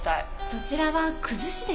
そちらはくずしです